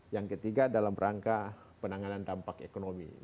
yang ketiga dalam rangka penanganan dampak ekonomi